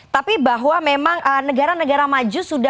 tapi bahwa memang negara negara maju sudah